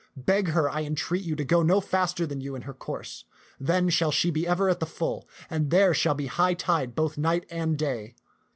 Beg her, I entreat you, to go no faster than you in her course, then shall she be ever at the full, and there shall be high tide both night and day.